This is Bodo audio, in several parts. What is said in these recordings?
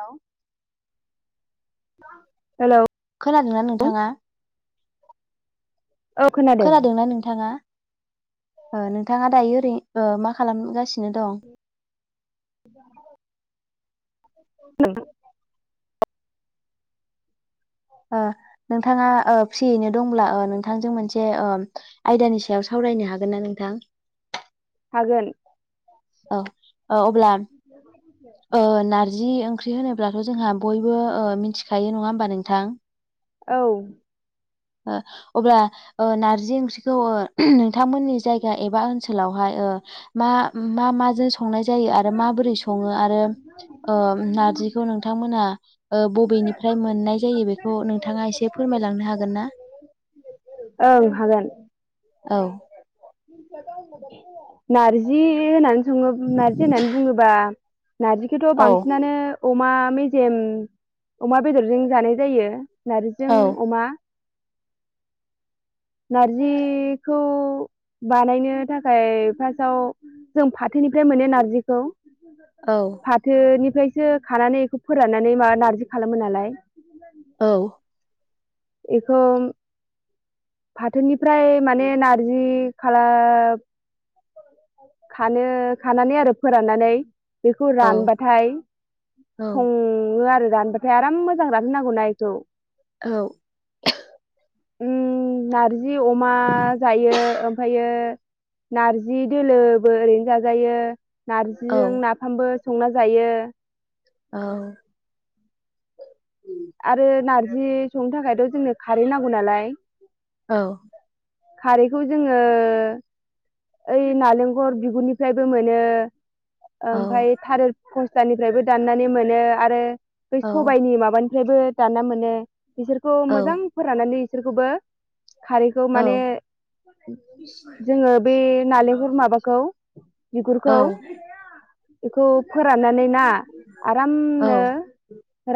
हेल' हेलौ खोनादोंना नोंथाङा औ खोनादों खोनादोंना नोंथाङा ओ नोंथाङा दायो ओरैनो मा खालामगासिनो दं? [inaudible] ओ नोंथाङा ओ फ्रियैनो दंब्ला ओ नोंथांजों मोनसे ओ आयदानि सायाव सावरायनो हागोन ना नोंथां हागोन औ औ अब्ला ओ नारजि ओंख्रि होनोब्लाथ' जोंहा बयबो ओ मिथिखायो नङा होमबा नोंथां औ ओ अब्ला ओ नारजि ओंख्रिखौ ओ नोंथांमोननि जायगा एबा ओनसोलावहाय ओ मा मा माजों संनाय जायो आरो माबोरै सङो आरो ओ नारजिखौ नोंथांमोना ओ बबेनिफ्राय मोननाय जायो बेखौ नोंथाङा एसे फोरमायलांनो हागोनना ओं हागोन औ नार जि होननानै सङो नार्जि होननानै बुङोब्ला नार्जिखोथ औ बांसिनानो अमा मेजेम अमा बेदरजों जानाय जायो औ नारजिजों अमा नारजिखौ बानायनो थाखाय फासाव जों फाथोनिफ्राय मोनो नारजिखौ औ फा फाथोनिफ्रायसो खानानै बेखौ फोराननानै माबा नारजि खालामो नालाय औ इखौ फाथोनिफ्राय माने नारजि खाला खानो खानानै आरो फोराननानै बेखौ औ रानबाथाय औ सङो आरो रानबा ओमफ्राय आराम मोजां रानहोनांगौना इखौ औ उम नारजि अमा जायो ओमफ्रायो नारजि दोलोबो ओरैनो जाजायो औ नारजिजों ना फामबो संना जायो औ आरो नारजि संनो थाखायथ जोंनो खारै नांगौ नालाय औ खारैखौ जोङो ओइ नालेंखर बिगुरनिफ्रायबो मोनो औ ओमफाय थारेर फस्लानिफ्रायबो दाननानै मोनो आरो बे सबाइनि माबानि थोनिफ्रायबो दानना मोनो बिसोरखौ मोजां फोराननानै बिसोरखौबो खारैखौ औ माने जोङो बे नारेंखल माबाखौ बिगुरखौ बेखौ फोराननानैना आरामनो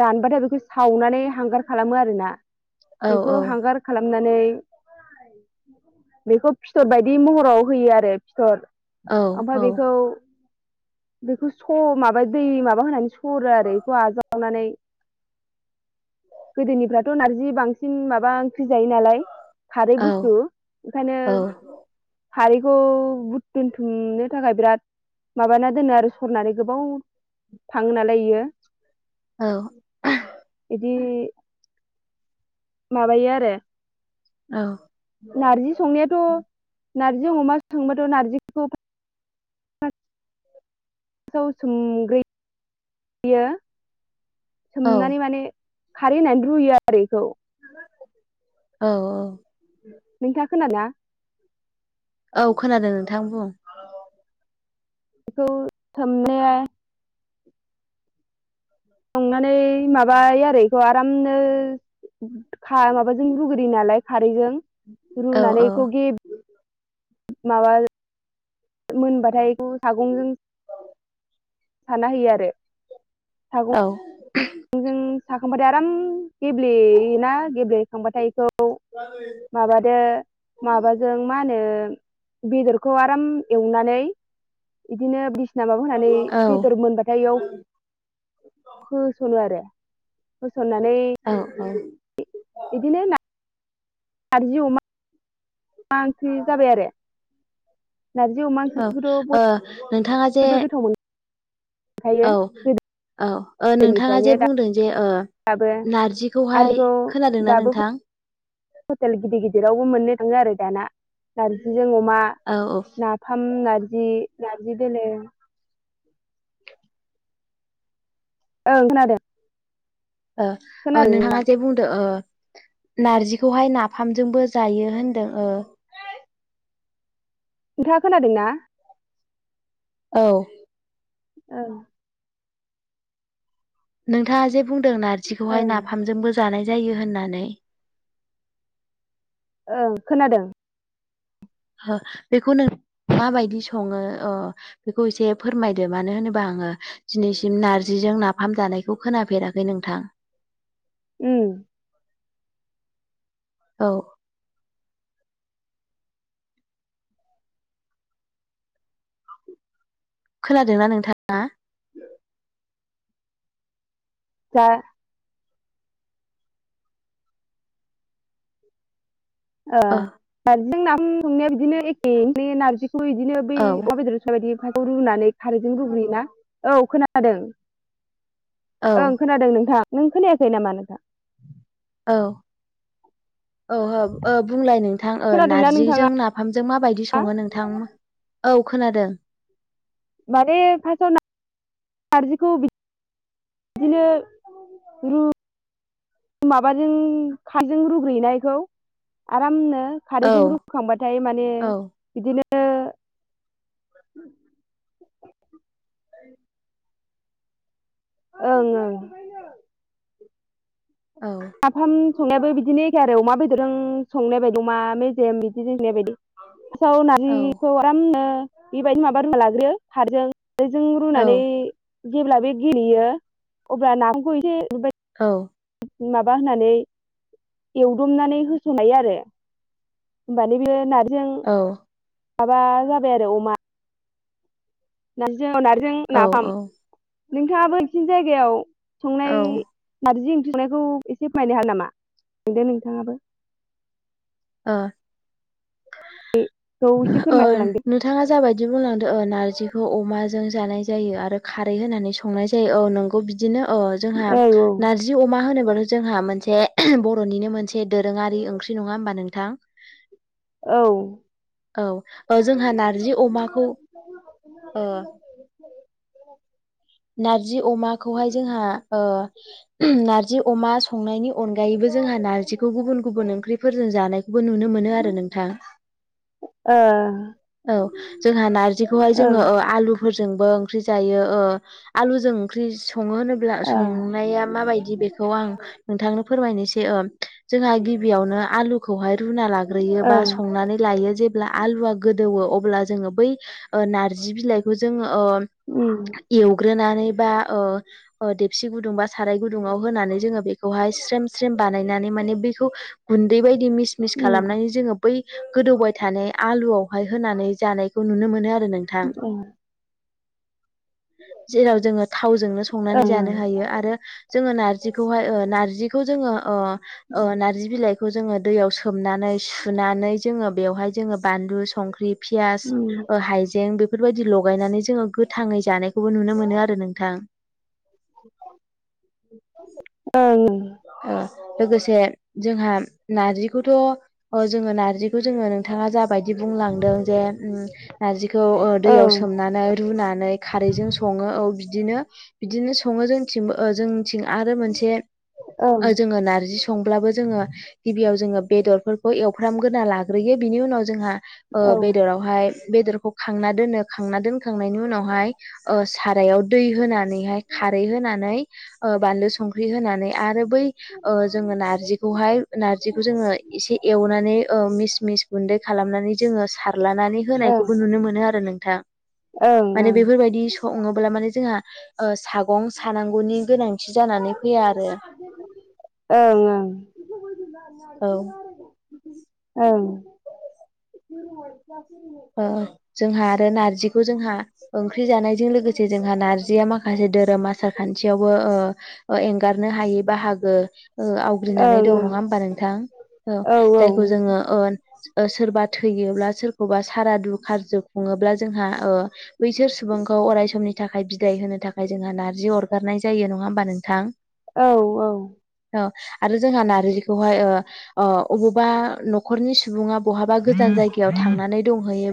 रानबाथाय बेखौ सावनानै हांगार खालामो आरोना बेखौ हांगार खालामनानै बेखौ फिथर बायदि महराव होयो आरो फिथर ओमफ्राय बेखौ बेखौ स माबा दै माबा होनानै सरो आरो बेखौ आजावनानै गोदोनिफ्राथ नारजि बांसिन माबा ओंख्रि जायो नालाय खारै बुस्थु ओंखायनो औ खारैखौ बु दोनथुमनो थाखाय बिराद माबाना दोनो आरो सरनानै गोबाव थाङो नालाय इयो औ औ इदि माबायो आरो औ नारजि संनायाथ नारजि अमा संबाथ नारजि फ्राव सोमग्रोयो औ सोमनानै माने खारै होननानै रुयो आरो इखौ औ नोंथाङा खोदोंना औ खोनादों नोंथां बुं बेखौ सोमनाया संनानै माबायो आरो बेखौ आरामनो गा माबाजों रुग्रोयो नालाय खारैजों औ रुनानै औ बेखौ गे माबा मोनबाथाय बेखौ सागंजों साना होयो आरो औ। सागंजों साखांबाथाय आराम गेब्लेयोना गेब्लेखांबाथाय इखौ [inaudible] माबादो माबाजों मा होनो बेदरखौ आराम एवनानै इदिनो बिस माबा होनानै औ बेदर मोनबाथाय इयाव होस'नो आरो होसननानै औ औ इदिनो नारजि अमा अमा ओंख्रि जाबाय आरो नारजि अमा औ ओंख्रिखौथ' बय ओ नोंथाङा जे जोबोर गोथाव मोन औ औ नोंथाङा गोदोनिफ्रायनो जे बुंदों जे ओ दाबो आरो नारजिखौहाय बेखौ खोनादोंना दाबो नोंथां। हटेल गिदिर गिदिरावबो मोननो थाङो आरो दाना नारजिजों अमा ना औ औ नाफाम नारजि नारजि दोलो ओं खोनादों। ओ खोनादों नोंथाङा नोंथां जे बुंदो ओ नारजिखौहाय नाफामजोंबो जायो होनदों ओ नोंथाङा खोनादोंना? औ ओ नोंथाङा जे बुंदों नारजिखौहाय ओं नाफामजोंबो जानाय जायो होननानै ओं खोनादों। बेखौ नों माबायदि सङो अ बेखौ एसे फोरमायदो मानो होनोबा आङो दिनैसिम नारजिजों नाफाम जानायखौ खोनाफेराखै नोंथां। उम। औ खोनादोंना नोंथाङा [unintelligible] ओ नारजिजों नाजों संनाया बिदिनो एखे नारजिखौ बिदिनो बै औ अमाबेदर बिबायदि फाथौखौ रुनानै खारैजों रुग्रोयोना औ खोनादों। औ ओं खोनादों नोंथां नों खोनायाखै नामा नोंथां। औ औ औ बुंलाय नोंथां खोनादोंना नोंथाङा नारजिजों ना। नाफामजों माबायदि सङो नोंथां औ खोनादों। माने फार्स [inaudible] नारजिखौ बिदिनो रु माबाजों [unintelligible] रुग्रोयोना बेखौ आरामनो औ खारैजों रुखुखांबाथाय माने औ बिदिनो [inaudible] ओं ओं औ। नाफाम संनायाबो बिदिनो एखे आरो अमा बेदरजों संनाय बायदि अमा मेजेम बिदि हैनाय बायदि फार्सथाव औ नारजिखौ आरामनो बेबायदि माबाग्रोना लाग्रोयो। खारजों खारैजों औ रुनानै जेब्ला बे गेलेयो अब्ला नाफामखौ एसे बेबाय औ माबा होनानै एवदुमनानै होस'नाय आरो। होनबानो बे नार्जिजों औ माबा जाबाय आरो अमा। नारजि नारजिजों नाफाम औ नोंथाङाबो नोंसिनि जायगायाव संनाय औ नारजि ओंख्रि संनायखौ एसे फायनो हाया नामा मोनदो नोंथाङाबो। अ [unintelligible] एसे अ फोरमाय होलांदो नों थाङा जाबायदि बुंलांदो नार्जिखौ अमाजों जानाय जायो आरो खारै होनानै सं नाय जायो औ नंगौ बिदिनो अ जोंहा औ नार जि अमा होनोबाथ' जोंहा मोनसे बर'निनो मोनसे दोरोङारि ओंख्रि नङा होमबा नोंथां? औ औ ओ जोंहा नारजि अमाखौ ओ नारजि अमाखौहाय जोंहा ओ नारजि अमा संनायनि अनगायैबो जोंहा नारजिखौ गुबुन गुबुन ओंख्रिफोरजों जानायखौबो नुनो मोनो आरो नोंथां। ओ औ जोंहा नारजिखौहाय जोङो ओ आलु फोरजोंबो ओंख्रि जायो आलुजों सङो संनाया माबायदि बे आं नोंथांनो फोरमायनोसै जोंहा गिबियावनो आलु खौहाय रुना लाग्रोयो बा संनानै लायो जेब्ला आलुवा गोदौवो अब्ला जोङो बै ओ नार्जि बिलाइखौ जोङो ओ उम एवग्रोनानै बा ओ देबसि गुदुं बा साराय गुदुंङाव होनानै जोङो बे खौहाय स्रोम स्रोम बानायनानै माने बेखौ गुन्दै बायदि मिस मिस खालामनानै जोङो बै गोदौबाय थानाय आलुआवहाय होनानै जानायखौ नुनो मोनो आरो नोंथां। जेराव जोङो थावजोंनो संनानै जानो हायो आरो जोङो नारजिखौहाय ओ नारजिखौ जोङो अ अ नारजि बिलाइ बेखौ जोङो दैयाव सोमनानै सुनानै जोङो बेवहाय जोङो बानलु संख्रि पियास हाइजें बेफोरबायदि लगायनानै जोो गोथाङै जानाय बेखौबो नुनो मोनो आरो नोंथां। ओं लोगोसे जोंहा नारजिखौथ' जोङो नारजिखौ जोङो नोंथाङा जाबायदि बुंलांदों जे नारजिखौ दैयाव सोमनानै रुनानै खारैजों सङो औ बिदिनो बिदिनो सङो जोंथिंबो जों आरो मोनसे ओ जोङो नारजि स संब्लाबो जोङो गिबियाव जोङो बेदरफोरखौ एवफ्रामग्रोना लाग्रोयो बिनि उनाव जोंहा ओ बेदराव बेखौखांनायनि उनावहाय ओ सारायाव दै होन खारै होनानै ओ बानलु संख्रि होनानै आरो बै ओ जोङो नारजिखौहाय नारजिखौ जोङो एसे एवनानै ओ मिस मिक्स गुन्दै खालामनानै जोङो सारलानानै होनायखौबो नुनो मोनो आरो नोंथां। माने बेफोरबायदि सङोब्ला माने जोंहा ओ सागं सानांगौनि गोनांथि जानानै फैया आरो। ओं औ ओं ओं [unintelligible] ओ जोंहा आरो नारजिखौ जोंहा ओंख्रि जानायजों लोगोसे जोंहा नारजिया माखासे धोरोम आसार खान्थियावबो ओ ओ एंगारनो हायै बाहागो। ओ ओ आवग्रिनानै दं नङा होमबा नोंथां औ जायखौ जोङो ओ सोरबा थैयोब्ला सोरखौबा सारादु कारजों खुङोब्ला जोंहा बैसोर सुबुंखौ अराय समनि थाखाय बिदाय होनो थाखाय जोंहा नार्जि अरगारनाय जायो नङा होमबा नोंथां औ औ औ आरो जोंहा नारजिखौहाय अबावबा न'खरनि सुबुङा बहाबा गोजान जायगायाव थांनानै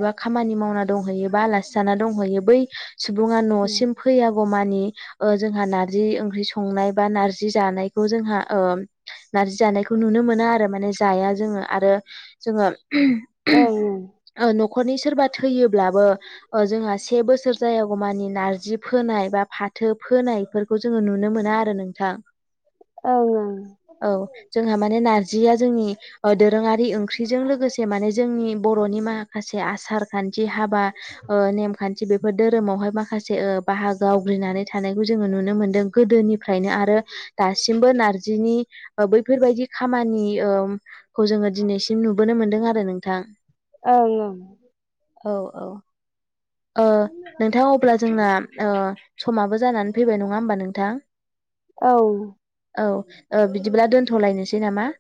बा खामानि मावनानै दंहयोबा आलासि जाना दंहैयो बै सुबुङा न'सिम फैयागौमानि जोंहा नारजि ओंख्रि संनाय बा नारजि जानायखौ जोंहा नारजि जानायखौ नुनो मोना आरो माने जाया जोङो आरो जोङो न'खरनि सोरबा थैयोब्लाबो जोंहा से बोसोर जायागौ मानि नारजि फोनाय बा फाथो फोनाय खौ जोङो नुनो मोना आरो नोंथां औ ओं औ जोंहा माने नारजिया जोंनि दोरोङारि ओंख्रिजों लोगोसे माने जोंनि बर'नि माखासे आसार खान्थि हाबा नेमखान्थि बेफोर धोरोमावहाय माखासे बाहागो आवग्रिनानै थानायखौ जोङो नुनो मोनदों गोदोनि फ्रायनो आरो दासिमबो नारजिनि बैफोरबायदि खामानि खौ जोङो दिनैसिम नुबोनो मोनदों आरो नोंथां ओं ओं औ औ नोंथां अब्ला जोंना समाबो जानानै फैबाय नङा होमबा नोंथां औ औ बिदिब्ला दोनथ'लायनोसै नामा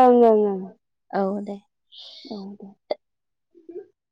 औ औ औ दे औ दे